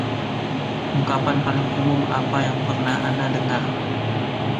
Ungkapan paling umum apa yang pernah Anda dengar?